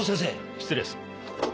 失礼する。